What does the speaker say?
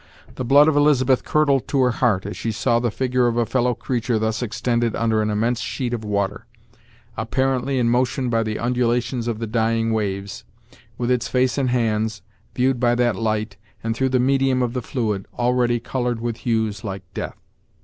The blood of Elizabeth curdled to her heart, as she saw the figure of a fellow creature thus extended under an immense sheet of water, apparently in motion by the undulations of the dying waves, with its face and hands, viewed by that light, and through the medium of the fluid, already colored with hues like death.